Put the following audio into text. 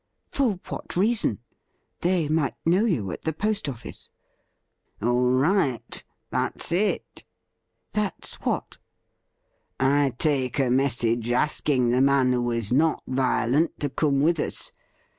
' For what reason .'' They might know you at the post office.' ' All right. That's it ?' 'That's what.?' ' I take a message asking the man who is not violent to come with us.